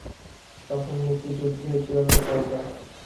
তখন মুক্তিযুদ্ধের চূড়ান্ত পর্যায়।